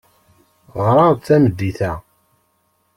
Ɣer-aɣ-d tameddit-a.